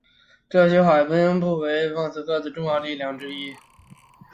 这些海军步兵成为了保卫莫斯科的重要力量之一。